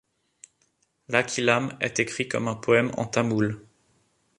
L'Akilam est écrit comme un poème en Tamoul.